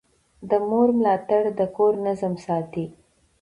د مور ملاتړ د کور نظم ساتي.